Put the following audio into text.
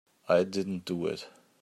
I didn't do it.